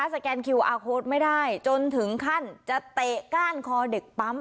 แกนคิวอาร์โค้ดไม่ได้จนถึงขั้นจะเตะก้านคอเด็กปั๊ม